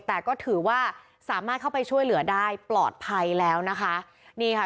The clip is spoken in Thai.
แต่ก็ถือว่าสามารถเข้าไปช่วยเหลือได้ปลอดภัยแล้วนะคะนี่ค่ะ